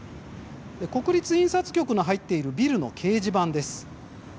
国立印刷局の入っているビルの掲示板です。